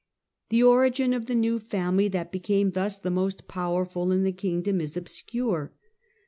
The origin of the new family that became thus the most powerful in the kingdom is obscure.